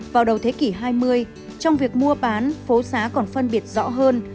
vào đầu thế kỷ hai mươi trong việc mua bán phố xá còn phân biệt rõ hơn